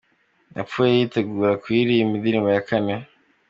Yapfuye yitegura kuririmba indirimbo ya kane.